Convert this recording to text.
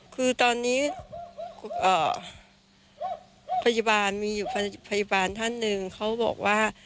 คือตอนนี้พยาบาลมีอยู่พยาบาลท่านหนึ่งเขาบอกว่า